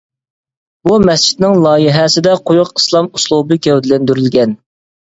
بۇ مەسچىتنىڭ لايىھەسىدە قويۇق ئىسلام ئۇسلۇبى گەۋدىلەندۈرۈلگەن.